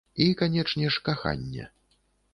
І, канечне ж, каханне.